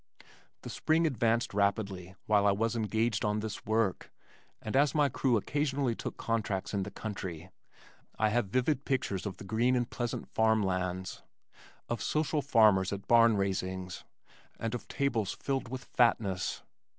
The spring advanced rapidly while I was engaged on this work and as my crew occasionally took contracts in the country I have vivid pictures of the green and pleasant farm lands, of social farmers at barn raisings, and of tables filled with fatness.